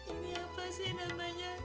ini apa sih namanya